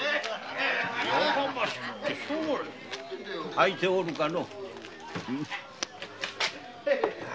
空いておるかの。